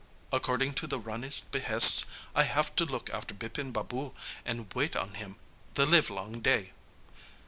According to the Rani's behests I have to look after Bipin Babu and wait on him the livelong day.'